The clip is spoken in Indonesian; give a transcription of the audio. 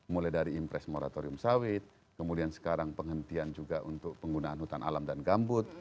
mulai dari impres moratorium sawit kemudian sekarang penghentian juga untuk penggunaan hutan alam dan gambut